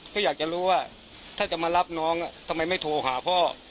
ก็อยากจะรู้ว่าถ้าจะมารับน้องทำไมไม่โทรหาพ่อ